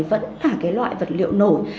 vẫn là loại vật liệu nổi